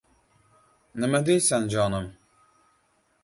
— Nima deysan, jonim?!